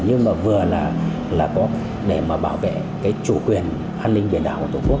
nhưng vừa là để bảo vệ chủ quyền an ninh biển đảo của tổ quốc